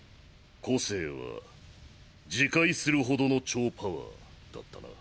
個性は自壊するほどの超パワーだったな。